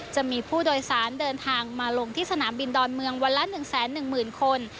จะมีผู้โดยสารเดินทางมาลงที่สนามบินดอนเมืองวันละ๑๑๐๐๐คน